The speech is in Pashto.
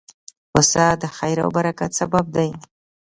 پسه د خیر او برکت سبب دی.